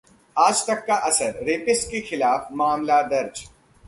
आज तक का असर: रेपिस्ट के खिलाफ मामला दर्ज